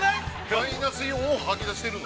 ◆マイナスイオンを吐き出してるの？